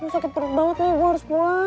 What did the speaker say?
sakit perut banget nih bu harus pulang